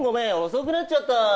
遅くなっちゃった。